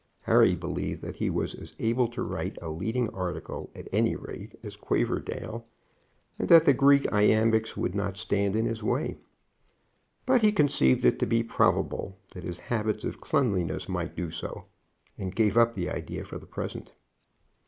Harry believed that he was as able to write a leading article, at any rate, as Quaverdale, and that the Greek iambics would not stand in his way. But he conceived it to be probable that his habits of cleanliness might do so, and gave up the idea for the present.